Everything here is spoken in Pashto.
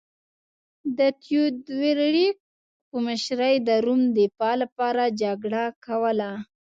د تیودوریک په مشرۍ د روم دفاع لپاره جګړه کوله